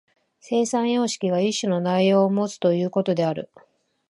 生産様式が一種の内容をもつということである。